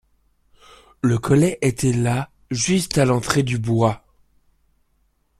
Le collet était là, juste à l’entrée du bois.